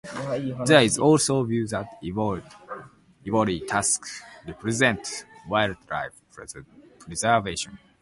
There is also view that ivory tusk represents wild life preservation.